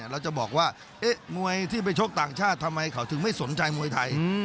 เราจะบอกว่ามวยที่ไปชกต่างชาติทำไมเขาถึงไม่สนใจมวยไทย